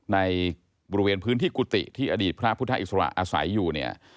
ในบริเวณพื้นที่กุฏิที่อดีตพระพุทธอิสระอาศัยอยู่เนี่ย